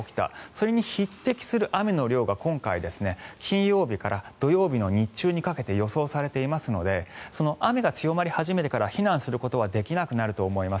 それに匹敵する雨の量が今回金曜日から土曜日の日中にかけて予想されていますので雨が強まり始めてから避難することはできなくなると思います。